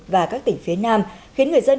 và các tỉnh phía nam khiến người dân